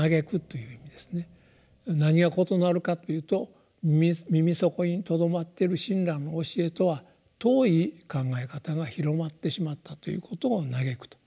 何が異なるかっていうと耳底に留まってる親鸞の教えとは遠い考え方が広まってしまったということを歎くと。